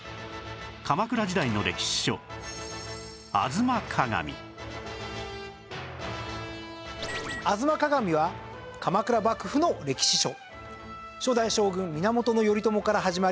鎌倉時代の歴史書『吾妻鏡』『吾妻鏡』は鎌倉幕府の歴史書。